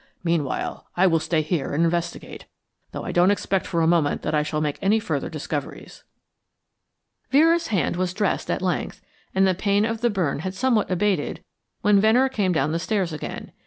Meanwhile, I will stay here and investigate, though I don't expect for a moment that I shall make any further discoveries." Vera's hand was dressed at length, and the pain of the burn had somewhat abated when Venner came down the stairs again.